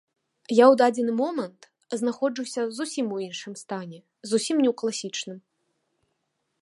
Я ў дадзены момант знаходжуся зусім у іншым стане, зусім не ў класічным.